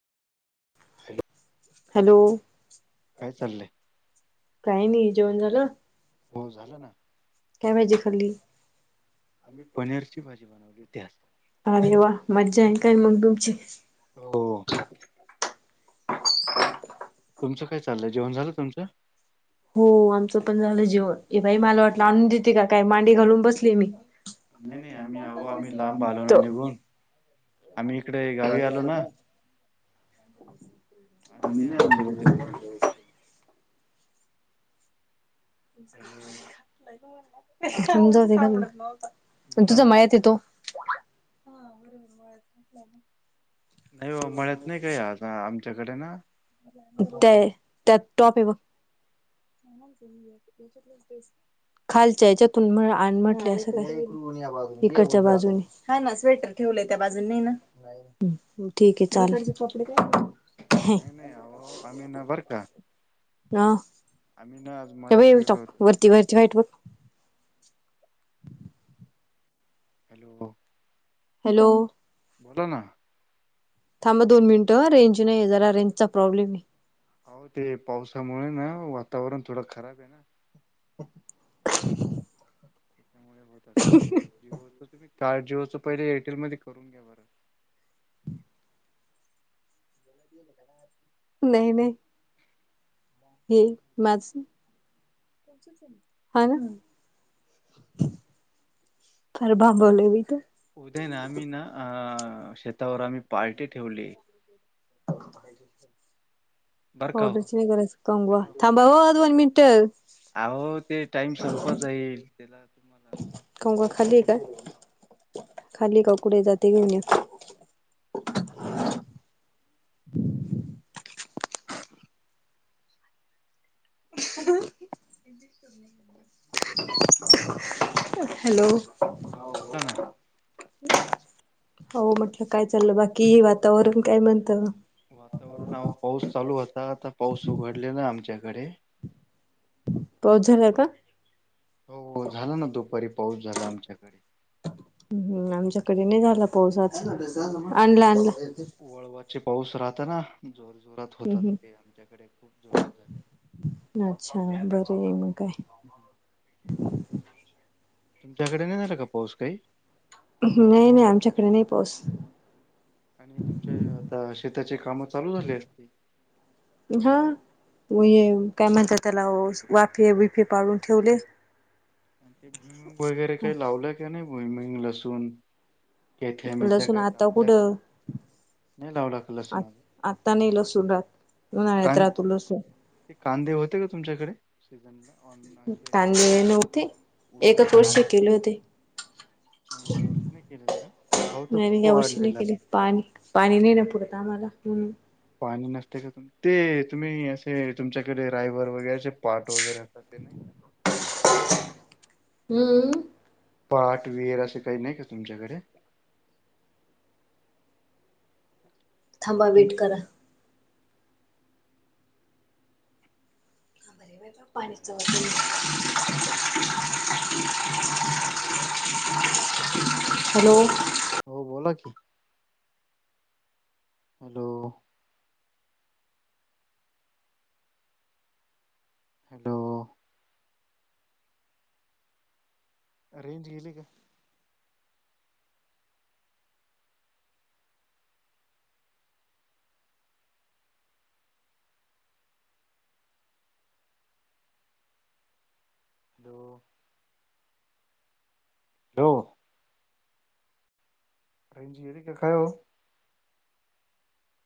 Hello काय चाललंय काही नाही जेवण झालं, हो झालं ना काय भाजी खाल्ली? आम्ही पनीरची भाजी, बनवली होती आज. अरे वा! मज्जा आहे काय मग तुमची, हो, तुमचं काय चाललंय? जेवण झालं तुमचं? [unintelligible] हो, आमचं पण झालं जेवण. ए बाई मला वाटलं आणून देते का काय मांडी घालून बसली मी. नाही, नाही, आम्ही आहो आम्ही लांब आलो ना, निघून आम्ही इकडे गावी आलो ना. आम्ही नाही [unintelligible] तुमच्यावर हॅलो [unintelligible] बोला तुझ ना मायात येतो. [unintelligible] नाही हो, मळ्यात नाही काय, आता आमच्याकडे ना त्या, त्यात टॉप आहे बघ. खालच्या याच्यातून, आण म्हटलं असं काय. इकडच्या बाजून, हा, ना स्वेटर ठेवलंय त्या बाजूनी नाही ना. ठीक आहे चालते. आव आम्ही ना बर का, आम्ही ना मळ्यात गेलो होतो [unintelligible] [unintelligible] हॅलो! हॅलो? बोला ना, थांबा दोन मिनिटं, रेंज नाही आहे. जरा रेंजचा प्रॉब्लेम आहे. अहो ते, पावसामुळेना वातावरण थोडं खराब आहे ना. [unintelligible] त्यामुळे होत असल, ते जिओच तुम्ही कार्ड जिओच पहिले एअरटेल मध्ये करून घ्या बरं. [unintelligible] नाही, नाही, हे, माझ हा, ना, बांबलेवीत उदया, ना आम्ही ना, अ! शेतावर आम्ही पार्टी ठेवली. [unintelligible] बरं का हो. पावडरीचा नाही, गरज कंगवा, हॅलो. थांबव व दोन मिनिटं. अहो, ते टाइम संपत जाईल, त्याला तुम्हाला कंगवा खाली का? खाली का कुड जात घे होऊण ये. हॅलो! हो बोला ना. हो, म्हटलं काय चाललं बाकी, वातावरण काय म्हणत? वातावरण आव पाऊस चालू होता. आता पाऊस उघडले ना आमच्याकडे, पाऊस झालाय का? हो, होझाला ना दुपारी पाऊस झाला आमच्याकडे. हम, आमच्याकडे नाही झाला पाऊस अजून, ते आणलं, व आणलं, वळवाचे पाऊस राहताना, जोर जोरात हम्म होतात, ते आमच्याकडे खूप जोरात झाले, अच्छा, बर आहे मग काय? [unintelligible] तुमच्याकडे नाही, झाला का पाऊस काही? नाही नाही आमच्याकडे नाही पाउस. आणि तुमच्या आता शेताचे कामं चालू झाले. हं. विये काय म्हणतात त्याला वाफे विफे पाडून ठेवले. ते भुमिं वगैरे काही लावलं का नाही भुमिंग, लसून? तेथ मिशा लसूण काही आता कापल्या का नाही नाही लावला कलर. आ आता नाही लसून राहात उन्हाळ्यात कां राहतो लसूण. ते कांदे होते का तुमच्याकडे सीझन ला? कांदे नव्हते उन्हाळे एकच वर्ष केले होते. यावर्षी नाही केले का? ग भाव तर नाही खूप या वर्षी नाही वाढलेला. केले पाणी पाणी नाही ना पुरत आम्हाला म्हणून. पाणी नसते का ते तुम्ही असे तुमच्याकडे रायवर वगैरेचे पार्ट वगैरे आता ते नाही का? हम्म. पाठ विहीर असं काही नाही का तुमच्याकडे? थांबा तुम वेट करा. पाहिणी चत [inaudible] हॅलो! हो, बोला की? हॅलो! हॅलो! अरेंज गेले का? हॅलो! हॅलो! रेंज गेली की काय हो?